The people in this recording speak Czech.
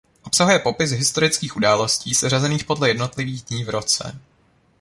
Obsahuje popis historických událostí seřazených podle jednotlivých dní v roce.